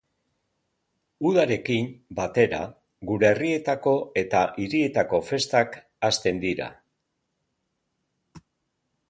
Udarekin batera gure herrietako eta hirietako festak hasten dira.